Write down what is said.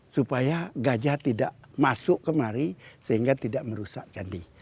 supaya gajah tidak masuk kemari sehingga tidak merusak candi